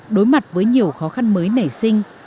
đối mặt với nhiều khó khăn mới nảy sinh